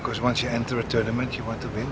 karena setelah anda masuk ke turnamen anda ingin menang